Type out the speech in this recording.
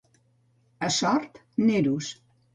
A Sort, neros.